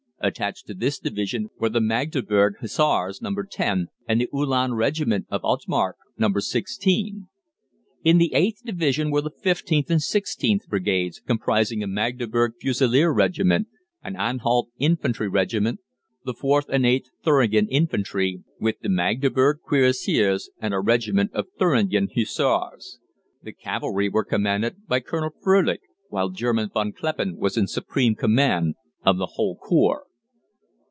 Attached to this division were the Magdeburg Hussars No. 10, and the Uhlan Regiment of Altmärk No. 16. In the 8th Division were the 15th and 16th Brigades, comprising a Magdeburg Fusilier Regiment, an Anhalt Infantry Regiment, the 4th and 8th Thuringen Infantry, with the Magdeburg Cuirassiers, and a regiment of Thuringen Hussars. The cavalry were commanded by Colonel Frölich, while General von Kleppen was in supreme command of the whole corps.